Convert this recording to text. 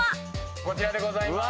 こちらでございます。